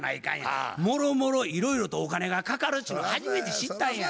もろもろいろいろとお金がかかるっちゅうの初めて知ったんや。